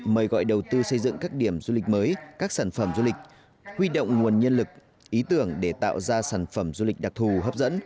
mời gọi đầu tư xây dựng các điểm du lịch mới các sản phẩm du lịch huy động nguồn nhân lực ý tưởng để tạo ra sản phẩm du lịch đặc thù hấp dẫn